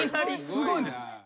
すごいんです。